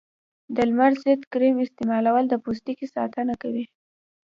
د لمر ضد کریم استعمال د پوستکي ساتنه کوي.